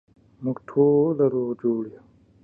موږ ټوله روغ جوړ یو